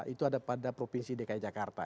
itu ada pada provinsi dki jakarta